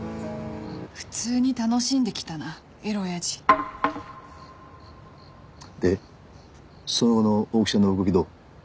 普通に楽しんできたなエロおやじでその後の大木ちゃんの動きどう？